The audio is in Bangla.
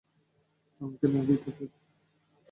আমাকে নাকি তাকে?